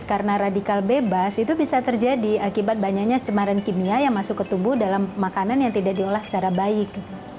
karena radikal bebas itu bisa terjadi akibat banyaknya cemaran kimia yang masuk ke tubuh dalam makanan yang tidak diolah secara baik